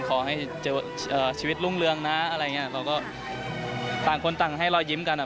ขอให้เจอชีวิตรุ่งเรืองนะอะไรอย่างเงี้ยเราก็ต่างคนต่างให้รอยยิ้มกันอ่ะ